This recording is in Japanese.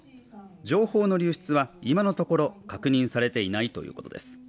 情報の流出は今のところ確認されていないということです